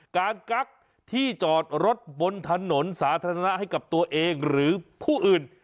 กั๊กที่จอดรถบนถนนสาธารณะให้กับตัวเองหรือผู้อื่น